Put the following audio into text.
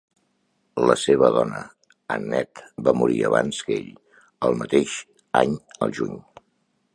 La seva dona, Annette, va morir abans que ell, el mateix any al juny.